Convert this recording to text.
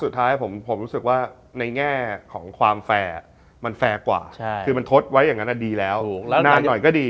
สุดท้ายผมรู้สึกว่าในแง่ของความแฟร์มันแฟร์กว่าคือมันทดไว้อย่างนั้นดีแล้วนานหน่อยก็ดี